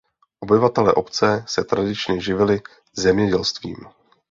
Obyvatelé obce se tradičně živili zemědělstvím.